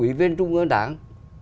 ủy viên trung ương đảng